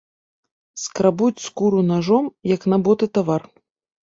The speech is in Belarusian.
Скрабуць скуру нажом, як на боты тавар.